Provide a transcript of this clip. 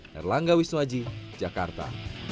herlangga wisnuwaji jakarta